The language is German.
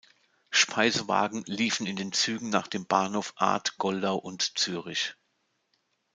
Speisewagen liefen in den Zügen nach dem Bahnhof Arth-Goldau und Zürich.